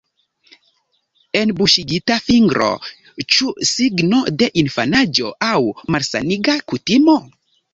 Enbuŝigita fingro – ĉu signo de infanaĝo aŭ malsaniga kutimo?